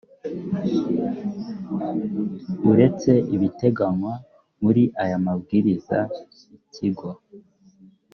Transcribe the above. uretse ibiteganywa muri aya mabwiriza ikigo